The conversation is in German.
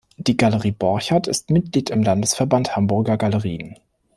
Die Galerie Borchardt ist Mitglied im Landesverband Hamburger Galerien.